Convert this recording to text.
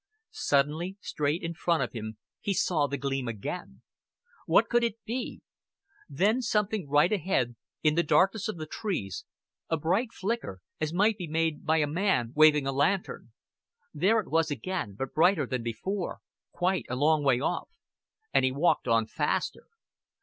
Suddenly, straight in front of him, he saw the gleam again. What could it be? Then something right ahead, in the darkness of the trees, a bright flicker as might be made by a man waving a lantern. There it was again, but brighter than before, quite a long way off. And he walked on faster.